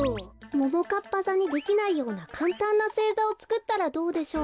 ももかっぱざにできないようなかんたんなせいざをつくったらどうでしょう？